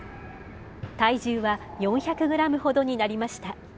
体重は４００グラムほどになりました。